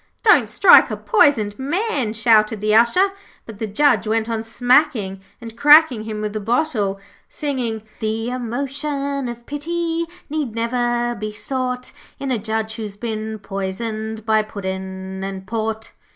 'Don't strike a poisoned man,' shouted the Usher; but the Judge went on smacking and cracking him with the bottle, singing 'The emotion of pity Need never be sought In a Judge who's been poisoned By Puddin' and Port.'